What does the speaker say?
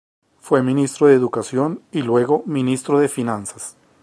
Fue ministro de educación y luego ministro de finanzas.